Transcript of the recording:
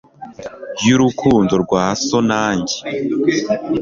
y'urukundo rwa so na njye